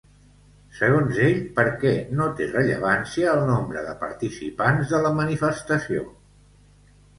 Segons ell, per què no té rellevància el nombre de participants de la manifestació?